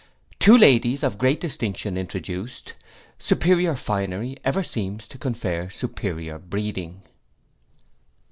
Two ladies of great distinction introduced. Superior finery ever seems to confer superior breeding.